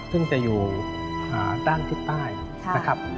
ซึ่งจะอยู่ด้านทิศใต้นะครับ